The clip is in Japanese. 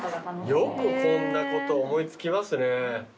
よくこんなこと思い付きますね。